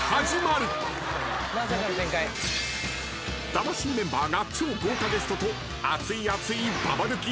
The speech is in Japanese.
［魂メンバーが超豪華ゲストと熱い熱いババ抜き